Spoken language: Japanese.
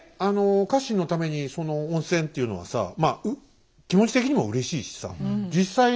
家臣のために温泉っていうのはさまあ気持ち的にもうれしいしさ実際疲れもやっぱ。